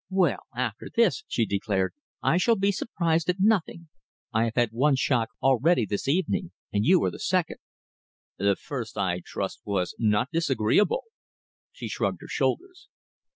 "Well, after this," she declared, "I shall be surprised at nothing. I have had one shock already this evening, and you are the second." "The first, I trust, was not disagreeable?" She shrugged her shoulders.